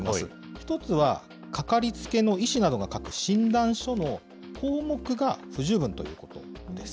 １つは、かかりつけの医師などが書く診断書の項目が不十分ということです。